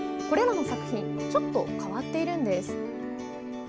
これらの作品ちょっと変わっているんです。